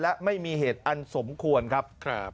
และไม่มีเหตุอันสมควรครับ